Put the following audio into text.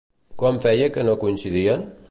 Quant feia que no coincidien?